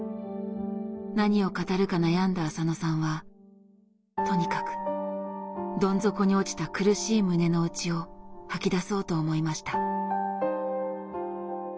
何を語るか悩んだ浅野さんはとにかくどん底に落ちた苦しい胸の内を吐き出そうと思いました。